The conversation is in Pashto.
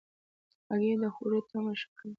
هګۍ د خوړو طعم ښه کوي.